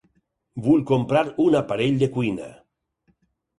Vull comprar un aparell de cuina.